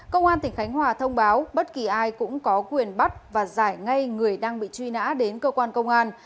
công an tỉnh khánh hòa thông báo bất kỳ ai cũng có quyền bắt và giải ngay người đang bị truy nã đến cơ quan công an